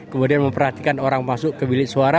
kemudian memperhatikan orang masuk ke bilik suara